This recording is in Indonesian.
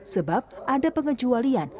sebab ada pengecualian